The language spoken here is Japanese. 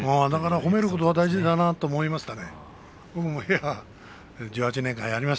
褒めるということは大事だと思いましたね。